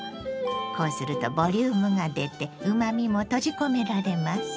こうするとボリュームが出てうまみも閉じ込められます。